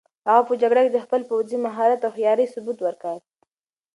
هغه په جګړه کې د خپل پوځي مهارت او هوښیارۍ ثبوت ورکړ.